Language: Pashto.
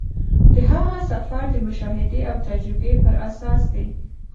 د هغه سفر د مشاهدې او تجربې پر اساس دی.